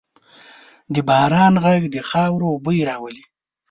د باران ږغ د خاورو بوی راولي.